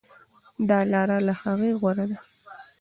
دا لاره له هغې غوره ده.